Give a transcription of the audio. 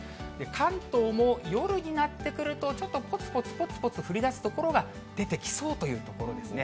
関東も夜になってくるとちょっとぽつぽつぽつぽつ降りだす所が出てきそうというところですね。